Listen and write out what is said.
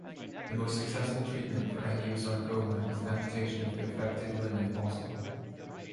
The most successful treatment for angiosarcoma is amputation of the affected limb if possible.